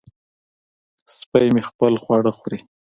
سپی مې خپل خواړه خوري.